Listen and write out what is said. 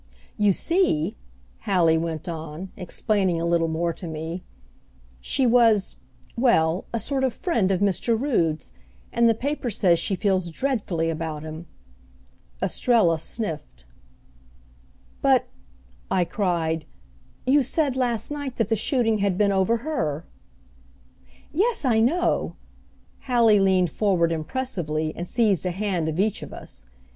"You see," Hallie went on, explaining a little more to me, "she was well, a sort of friend of Mr. Rood's, and the paper says she feels dreadfully about him!" Estrella sniffed. "But," I cried, "you said last night that the shooting had been over her." "Yes, I know!" Hallie leaned forward impressively and seized a hand of each of us.